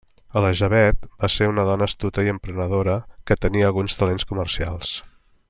Elisabet va ser una dona astuta i emprenedora que tenia alguns talents comercials.